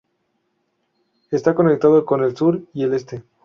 Está conectado con el Sur y el Este.